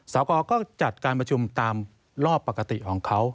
สกก็จัดการประชุมตามรอบปกติของเขา